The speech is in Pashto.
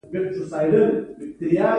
کیدای شي چې مخکې ورباندې چا کار نه وي کړی.